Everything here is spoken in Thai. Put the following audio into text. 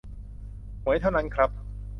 หวยเท่านั้นครับ